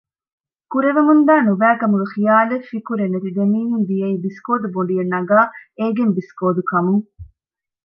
ކުރެވެމުންދާ ނުބައިކަމުގެ ޚިޔާލެއް ފިކުރެއް ނެތި ދެމީހުން ދިޔައީ ބިސްކޯދު ބޮނޑިއެއް ނަގާ އޭގެން ބިސްކޯދު ކަމުން